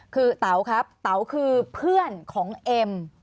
คือเต๋าครับเต๋าคือเพื่อนของเอ็ม